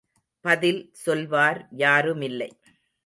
பதில் சொல்வார் யாருமில்லை.